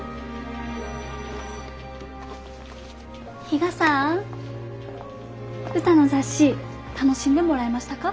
比嘉さん歌の雑誌楽しんでもらえましたか？